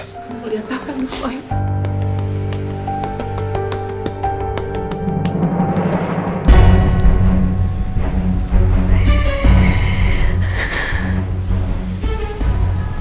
kamu lihat takan pak